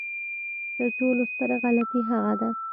تر ټولو ستره غلطي هغه ده.